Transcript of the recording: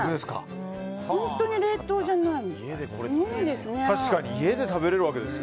本当に冷凍じゃない。